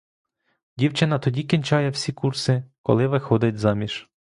Дівчина тоді кінчає всі курси, коли виходить заміж!